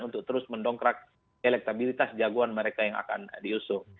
untuk terus mendongkrak elektabilitas jagoan mereka yang akan diusung